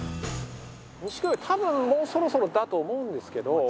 錦鯉多分もうそろそろだと思うんですけど。